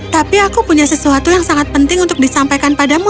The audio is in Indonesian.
tapi aku punya sesuatu yang sangat penting untuk disampaikan padamu